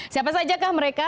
siapa saja kah mereka